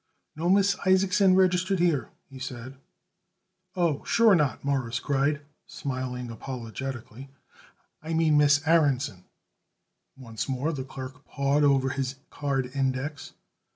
"No Miss Isaacson registered here," he said. "Oh, sure not," Morris cried, smiling apologetically. "I mean Miss Aaronson." Once more the clerk pawed over his card index.